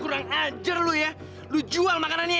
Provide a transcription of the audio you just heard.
kurang anjir lu ya lu jual makanannya ya